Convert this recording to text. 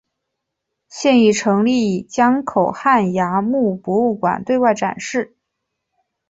现已成立江口汉崖墓博物馆对外展示。